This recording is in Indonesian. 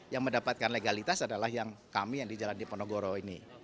yang mendapatkan legalitas adalah kami yang di jalan di ponegoro ini